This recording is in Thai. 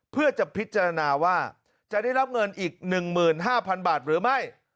เพื่อจะพิจารณาว่าจะได้รับเงินอีก๑๕๐๐๐บาทหรือไม่